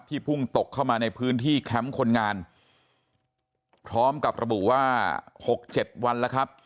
พุ่งตกเข้ามาในพื้นที่แคมป์คนงานพร้อมกับระบุว่า๖๗วันแล้วครับ